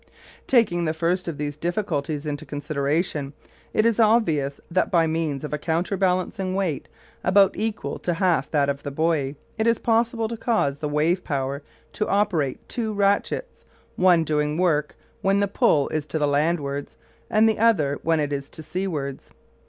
Taking the first of these difficulties into consideration it is obvious that by means of a counterbalancing weight, about equal to half that of the buoy, it is possible to cause the wave power to operate two ratchets, one doing work when the pull is to landwards and the other when it is to seawards.